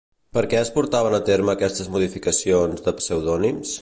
Per què es portaven a terme aquestes modificacions de pseudònims?